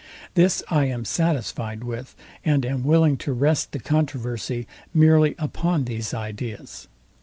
This I am satisfyed with, and am willing to rest the controversy merely upon these ideas.